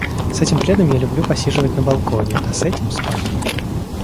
С этим пледом я люблю посиживать на балконе, а с этим — спать.